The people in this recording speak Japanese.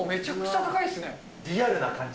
リアルな感じ。